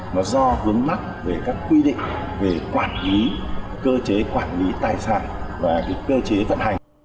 nó do vướng mắc về các quy định về quản lý cơ chế quản lý tài sản và cơ chế vận hành